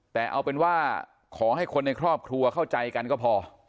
แต่เอาเป็นว่าขอให้คนในครอบครัวเข้าใจกันก็พอ